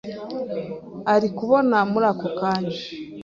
ari kubona muri ako kanya.